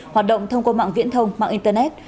hoạt động thông qua mạng viễn thông mạng internet